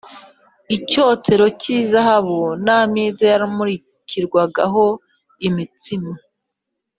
icyotero cy’izahabu n’ameza yamurikirwagaho imitsima